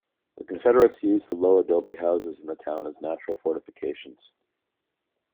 The Confederates used the low adobe houses in the town as natural fortifications.